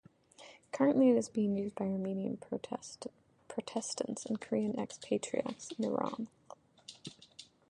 Currently it is being used by Armenian protestants and Korean expatriates in Iran.